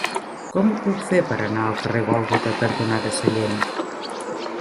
Com ho puc fer per anar al carrer Gòlgota cantonada Sallent?